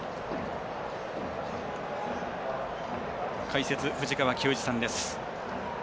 解説、藤川球児さんです。